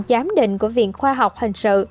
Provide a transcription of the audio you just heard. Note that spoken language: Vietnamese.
giám định của viện khoa học hình sự